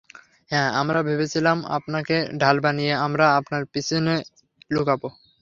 হ্যাঁ, আমরা ভেবেছিলাম আপনাকে ঢাল বানিয়ে আমরা আপনার পিছে লুকাব।